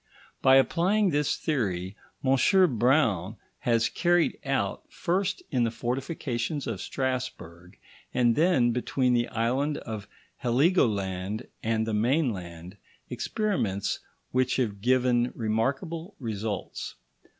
By applying this theory, M. Braun has carried out, first in the fortifications of Strasburg, and then between the island of Heligoland and the mainland, experiments which have given remarkable results.